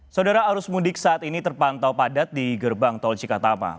saudara arus mudik saat ini terpantau padat di gerbang tol cikatapa